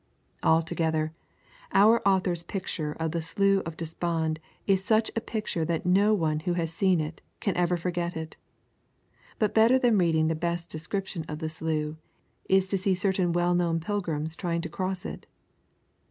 Altogether, our author's picture of the Slough of Despond is such a picture that no one who has seen it can ever forget it. But better than reading the best description of the slough is to see certain well known pilgrims trying to cross it.